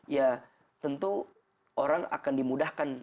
ya tentu orang akan dimudahkan